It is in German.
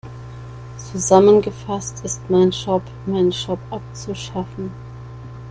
Zusammengefasst ist mein Job, meinen Job abzuschaffen.